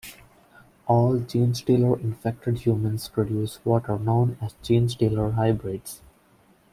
All genestealer-infected humans produce what are known as genestealer hybrids.